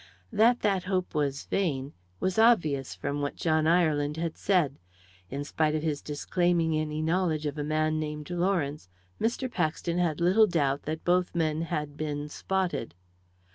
That that hope was vain was obvious from what John Ireland had said. In spite of his disclaiming any knowledge of a man named Lawrence, Mr. Paxton had little doubt that both men had been "spotted."